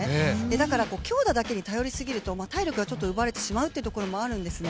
だから強打だけに頼りすぎると体力がちょっと奪われてしまうというところもあるんですね。